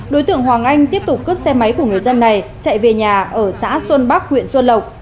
đối tượng hoàng anh tiếp tục cướp xe máy của người dân này chạy về nhà ở xã xuân bắc huyện xuân lộc